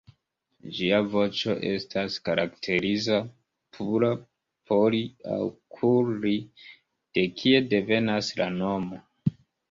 Ĝia voĉo estas karakteriza, pura "po-li" aŭ “kur-li” de kie devenas la nomo.